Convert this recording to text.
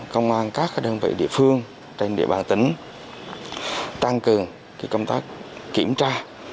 công an các đơn vị địa phương trên địa bàn tỉnh tăng cường công tác kiểm tra